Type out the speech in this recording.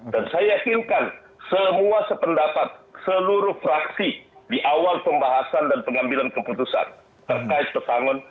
dan saya yakin kan semua sependapat seluruh fraksi di awal pembahasan dan pengambilan keputusan terkait petangon